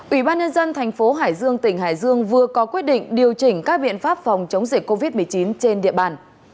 ủy ban nhân dân tp hcm vừa có quyết định điều chỉnh các biện pháp phòng chống dịch covid một mươi chín trên địa bàn